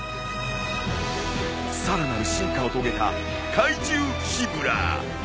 さらなる進化を遂げた怪獣シブラー。